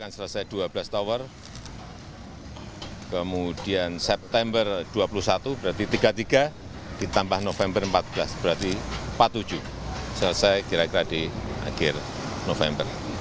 selesai kira kira di akhir november